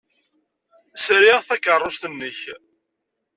Sriɣ takeṛṛust-nnek.